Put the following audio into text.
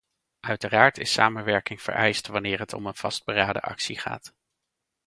Uiteraard is samenwerking vereist wanneer het om een vastberaden actie gaat.